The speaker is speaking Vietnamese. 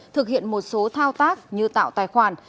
thực hiện một số thao tác như tạo tài khoản